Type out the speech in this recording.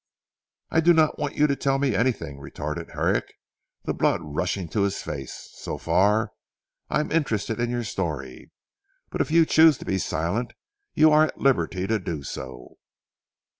"I do not want you to tell me anything," retorted Herrick the blood rushing to his face. "So far, I am interested in your story, but if you choose to be silent, you are at liberty to do so."